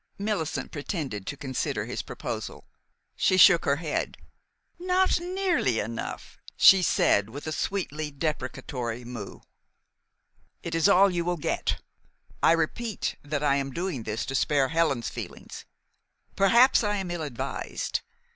Millicent pretended to consider his proposal. She shook her head. "Not nearly enough," she said, with a sweetly deprecatory moue. "It is all you will get. I repeat that I am doing this to spare Helen's feelings. Perhaps I am ill advised.